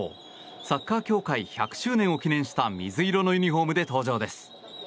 サッカー協会１００周年を記念した水色のユニホームで登場です。